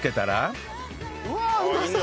うわっうまそう！